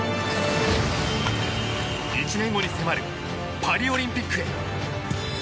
１年後に迫るパリオリンピックへ。